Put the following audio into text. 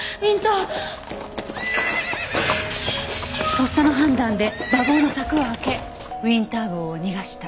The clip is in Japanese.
とっさの判断で馬房の柵を開けウィンター号を逃がした。